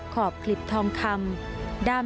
ขอบกลิบทองคำ